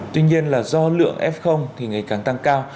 tuy nhiên là do lượng f thì ngày càng tăng cao